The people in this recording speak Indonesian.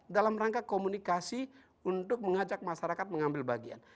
dalam rangka komunikasi untuk mengajak masyarakat mengambil bagian